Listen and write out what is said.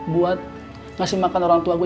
buat ngasih makan orang tua gue